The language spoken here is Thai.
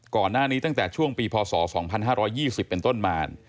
ก่อนหน้านี้ตั้งแต่ช่วงปีพศ๒๕๒๐เป็นต้นมา